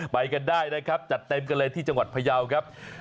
ไปกันได้นะครับจัดเต็มกันเลยที่จังหวัดพยาวครับ